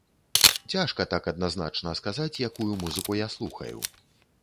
Цяжка так адназначна сказаць, якую музыку я слухаю.